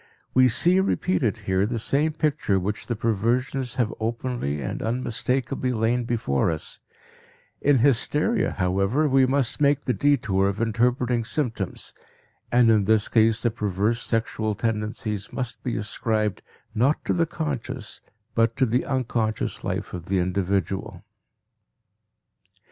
We see repeated here the same picture which the perversions have openly and unmistakably lain before us; in hysteria, however, we must make the detour of interpreting symptoms, and in this case the perverse sexual tendencies must be ascribed not to the conscious but to the unconscious life of the individual.